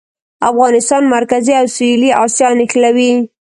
افغانستان مرکزي او سویلي اسیا نښلوي